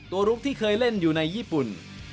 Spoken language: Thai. ลุกที่เคยเล่นอยู่ในญี่ปุ่น